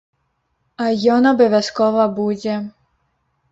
А ён абавязкова будзе.